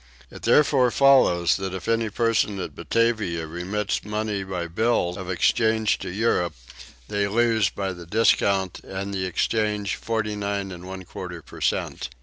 It therefore follows that if any person at Batavia remits money by bills of exchange to Europe they lose by the discount and the exchange 49 1/4 per cent.